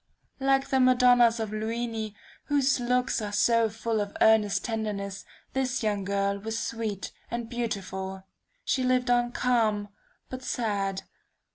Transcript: Like the Madonnas of Luini whose looks are so full of earnest tenderness, this young girl was sweet and beautiful. She lived on calm, but sad.